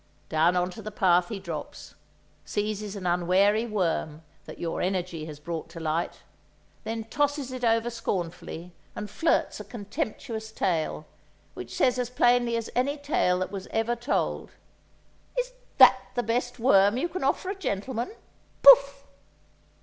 Down on to the path he drops, seizes an unwary worm that your energy has brought to light; then tosses it over scornfully and flirts a contemptuous tail, which says as plainly as any tale that was ever told, "Is that the best worm you can offer a gentleman? Pouf!"